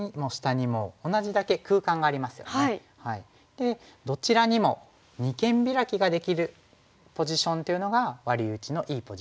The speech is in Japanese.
でどちらにも二間ビラキができるポジションっていうのがワリ打ちのいいポジションになります。